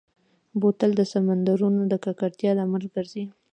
بوتل د سمندرونو د ککړتیا لامل ګرځي.